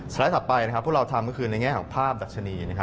ไลด์ถัดไปพวกเราทำก็คือในแง่ของภาพดัชนี